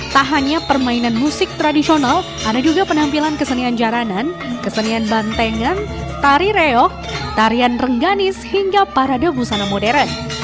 tak hanya permainan musik tradisional ada juga penampilan kesenian jaranan kesenian bantengan tari reok tarian rengganis hingga parade busana modern